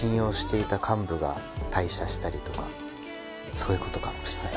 そういうことかもしれない。